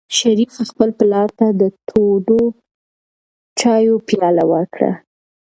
شریف خپل پلار ته د تودو چایو پیاله ورکړه.